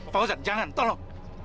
fawzan jangan tolong